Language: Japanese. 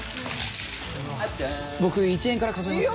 僕１円から数えますね。